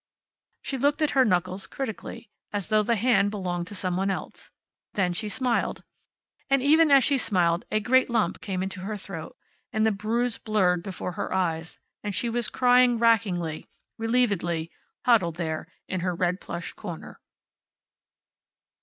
She looked at her knuckles, critically, as though the hand belonged to some one else. Then she smiled. And even as she smiled a great lump came into her throat, and the bruise blurred before her eyes, and she was crying rackingly, relievedly, huddled there in her red plush corner.